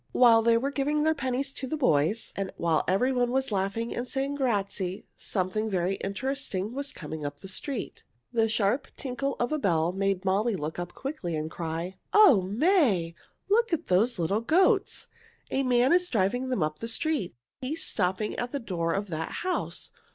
While they were giving their pennies to the boys, and while everybody was laughing and saying grazie, something very interesting was coming up the street. The sharp tinkle of a bell made Molly look up quickly and cry, "O May! Look at those little goats! A man is driving them up the street. He is stopping at the door of that house.